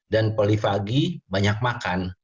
dan polivagi banyak makan